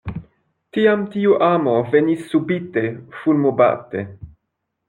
Tiam tiu amo venis subite, fulmobate?